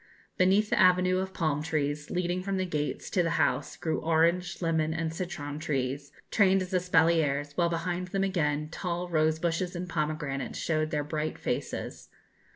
Beneath the avenue of palm trees, leading from the gates to the house, grew orange, lemon, and citron trees, trained as espaliers, while behind them again tall rose bushes and pomegranates showed their bright faces.